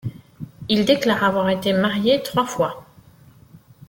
Il déclare avoir été marié trois fois.